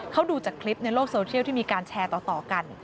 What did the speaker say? เขาดูจากคลิปในโลกโซเชียลที่มีการแชร์ต่อกัน